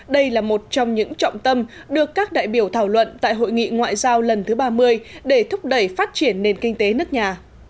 đây là một trong những trọng tâm được các đại biểu thảo luận tại hội nghị ngoại giao lần thứ ba mươi để thúc đẩy phát triển nền kinh tế nước nhà